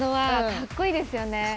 かっこいいですよね。